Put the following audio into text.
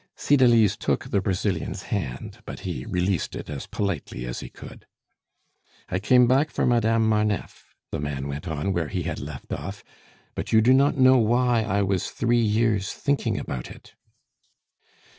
Cydalise took the Brazilian's hand, but he released it as politely as he could. "I came back for Madame Marneffe," the man went on where he had left off, "but you do not know why I was three years thinking about it."